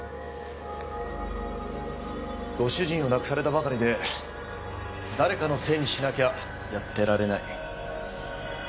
ご主人を亡くされたばかりで誰かのせいにしなきゃやってられない。